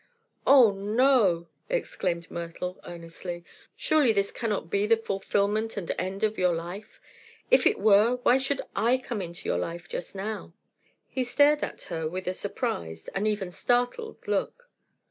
"Oh, no!" exclaimed Myrtle, earnestly. "Surely this cannot be the fulfillment and end of your life. If it were, why should I come into your life just now?" He stared at her with a surprised an even startled look.